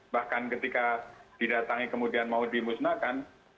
bahkan ketika didatangi kemudian mau dimusnahkan